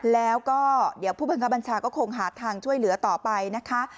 แล้วก็เดี๋ยวผู้บังคับบัญชาก็คงหาทางช่วยเหลือต่อไปนะคะ